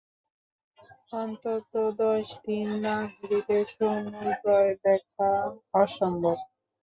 অন্তত দশ দিন না ঘুরিলে সমুদয় দেখা অসম্ভব।